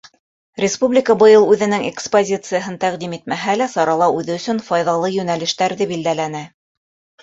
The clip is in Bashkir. Республика, быйыл үҙенең экспозицияһын тәҡдим итмәһә лә, сарала үҙе өсөн файҙалы йүнәлештәрҙе билдәләне.